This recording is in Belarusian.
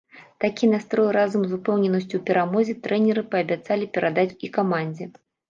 Такі настрой разам з упэўненасцю ў перамозе трэнеры паабяцалі перадаць і камандзе.